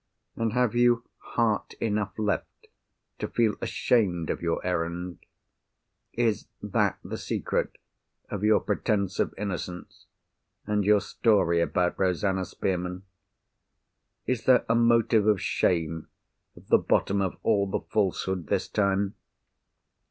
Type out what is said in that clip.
And have you heart enough left to feel ashamed of your errand? Is that the secret of your pretence of innocence, and your story about Rosanna Spearman? Is there a motive of shame at the bottom of all the falsehood, this time?"